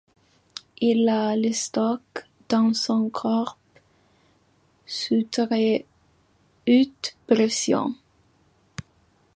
Il la stocke dans son corps sous très haute pression.